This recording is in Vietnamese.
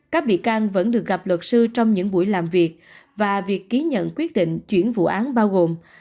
các bị can vẫn được gặp luật sư trong những buổi làm việc và việc ký nhận quyết định chuyển vụ án bao gồm